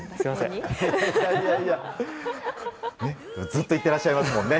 ずっと言ってらっしゃいますね